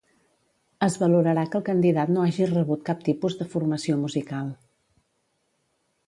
Es valorarà que el candidat no hagi rebut cap tipus de formació musical.